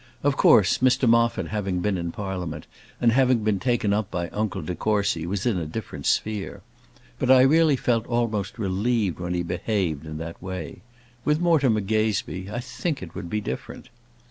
Of course, Mr Moffat having been in Parliament, and having been taken up by uncle de Courcy, was in a different sphere; but I really felt almost relieved when he behaved in that way. With Mortimer Gazebee, I think it would be different.